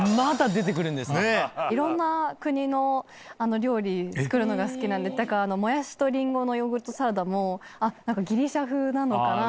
いろんな国の料理作るのが好きなんでだからもやしとリンゴのヨーグルトサラダもギリシャ風なのかな？